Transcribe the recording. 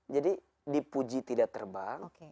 jadi dipuji tidak terbang